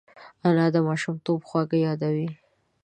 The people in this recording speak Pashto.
انا د ماشومتوب خواږه یادوي